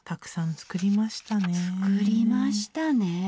作りましたね。